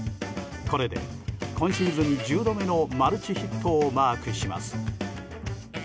これで今シーズン１０度目のマルチヒットをマークします。